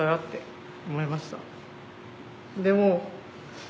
でも。